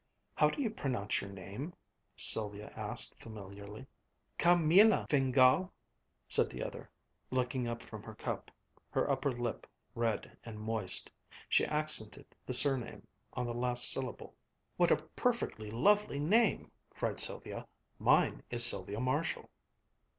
"How do you pronounce your name?" Sylvia asked familiarly. "Cam eela Fingál," said the other, looking up from her cup, her upper lip red and moist. She accented the surname on the last syllable. "What a perfectly lovely name!" cried Sylvia. "Mine is Sylvia Marshall."